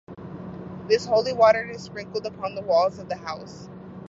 This holy water is sprinkled upon the walls of the house.